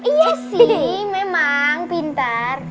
iya sih memang pintar